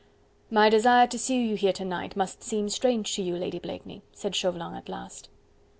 "My desire to see you here to night, must seem strange to you, Lady Blakeney," said Chauvelin at last.